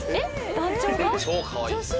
団長が？